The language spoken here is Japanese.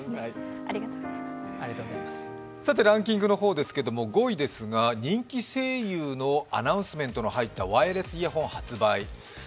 ランキングの方ですけど、５位ですけど、人気声優のアナウンスメントが入ったワイヤレスイヤホン発売。